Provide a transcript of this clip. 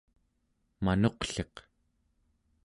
manuqliq